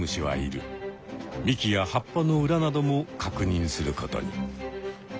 幹や葉っぱの裏などもかくにんすることに。